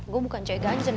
gua bukan cewek ganjen